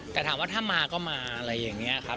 แต่ถามว่าถ้ามาก็มาอะไรอย่างนี้ครับ